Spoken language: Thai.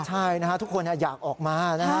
ใช่ทุกคนอยากออกมานะ